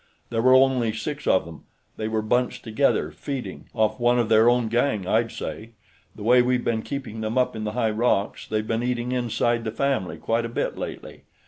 There were only six of them; they were bunched together, feeding. Off one of their own gang, I'd say; the way we've been keeping them up in the high rocks, they've been eating inside the family quite a bit, lately.